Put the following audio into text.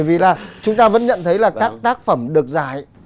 vì là chúng ta vẫn nhận thấy là các tác phẩm được giải